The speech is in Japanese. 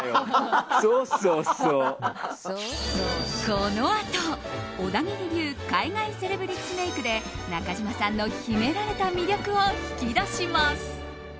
このあと、小田切流海外セレブリッチメイクで中島さんの秘められた魅力を引き出します。